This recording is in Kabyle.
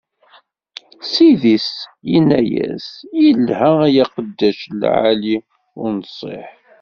Ssid-is inna-as: Ilha, ay aqeddac lɛali, unṣiḥ!